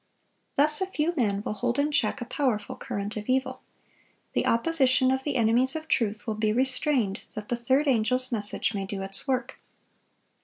Thus a few men will hold in check a powerful current of evil. The opposition of the enemies of truth will be restrained that the third angel's message may do its work.